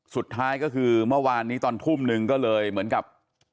สุดท้ายก็คือเมื่อวานนี้ตอนทุ่มนึงก็เลยเหมือนกับ